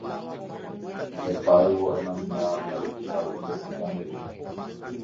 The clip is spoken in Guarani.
Repáyvo emaña ha repukavy nde sy ha nde rúpe